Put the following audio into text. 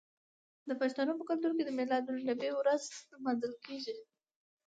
د پښتنو په کلتور کې د میلاد النبي ورځ لمانځل کیږي.